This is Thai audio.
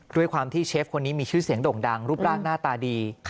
ด้วยความที่เชฟคนนี้มีชื่อเสียงโด่งดังรูปร่างหน้าตาดี